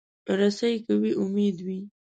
رسۍ که وي، امید وي.